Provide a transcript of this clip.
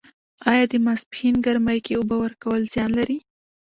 آیا د ماسپښین ګرمۍ کې اوبه ورکول زیان لري؟